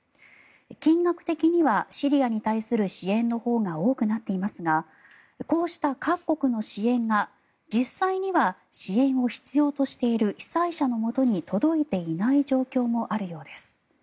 金額的にはシリアに対する支援のほうが多くなっていますがこうした各国の支援が実際には、支援を必要としている被災者のもとに届いていない状況もあるようです。